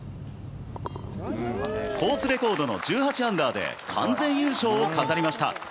コースレコードの１８アンダーで完全優勝を飾りました。